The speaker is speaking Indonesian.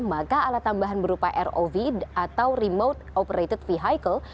maka alat tambahan berupa rov atau remote operated vehicle